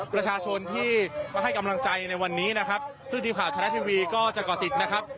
ประชาชนที่มาให้กำลังใจในวันนี้นะครับซึ่งทีมข่าวไทยรัฐทีวีก็จะก่อติดนะครับ